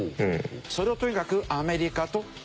それをとにかくアメリカと交渉したい。